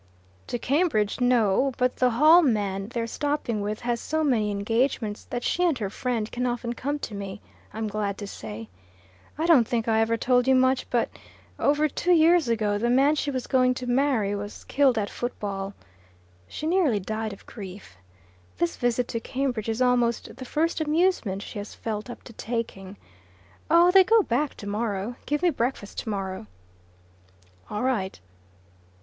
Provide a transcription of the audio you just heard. "To Cambridge, no. But the Hall man they're stopping with has so many engagements that she and her friend can often come to me, I'm glad to say. I don't think I ever told you much, but over two years ago the man she was going to marry was killed at football. She nearly died of grief. This visit to Cambridge is almost the first amusement she has felt up to taking. Oh, they go back tomorrow! Give me breakfast tomorrow." "All right."